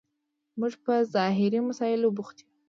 موږ په ظاهري مسایلو بوخت یو.